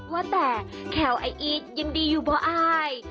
ว่าแต่แควไออีดยังดีอยู่เพราะอาย